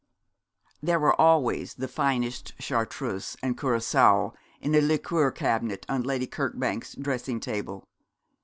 There were always the finest chartreuse and curaçoa in a liqueur cabinet on Lady Kirkbank's dressing table.